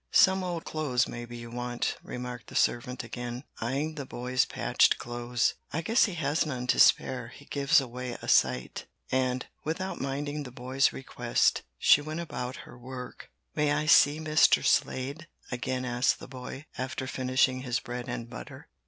"Some old clothes maybe you want," remarked the servant again, eying the boy's patched clothes. "I guess he has none to spare; he gives away a sight." And, without minding the boy's request, she went about her work. "May I see Mr. Slade?" again asked the boy, after finishing his bread and butter.